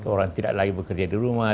orang tidak lagi bekerja di rumah